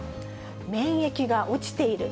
免疫が落ちている。